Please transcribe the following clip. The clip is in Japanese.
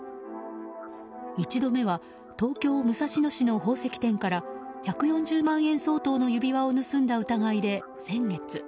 １度目は東京・武蔵野市の宝石店から１４０万円相当の指輪を盗んだ疑いで、先月。